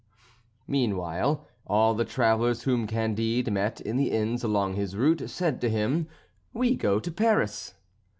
Meanwhile, all the travellers whom Candide met in the inns along his route, said to him, "We go to Paris."